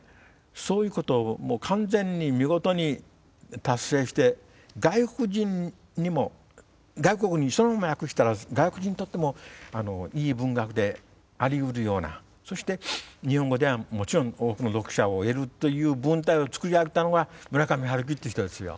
そういうことを完全に見事に達成して外国人にも外国語にそのまま訳したら外国人にとってもいい文学でありうるようなそして日本語ではもちろん多くの読者を得るという文体を作り上げたのが村上春樹っていう人ですよ。